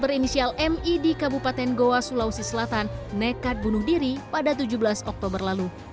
berinisial mi di kabupaten goa sulawesi selatan nekat bunuh diri pada tujuh belas oktober lalu